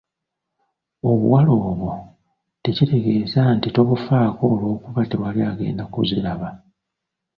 Obuwale obwo tekitegeeza nti tobufaako olw'okuba tewali agenda kuziraba.